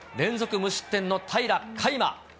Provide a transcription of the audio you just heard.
無失点の平良海馬。